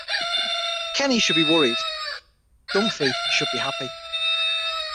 Kenny should be worried, Dunphy should be happy.